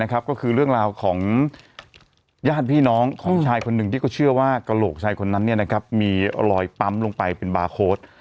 ก็คือเรื่องราวของญาติพี่น้องของชายคนหนึ่งที่เขาเชื่อว่ากระโหลกชายคนนั้นมีรอยปั๊มลงไปเป็นบาร์โค้ด